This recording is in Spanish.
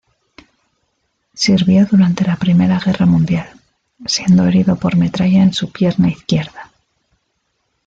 Sirvió durante la Primera Guerra Mundial, siendo herido por metralla en su pierna izquierda.